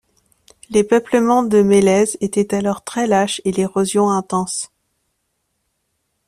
Les peuplements de mélèzes étaient alors très lâches et l'érosion intense.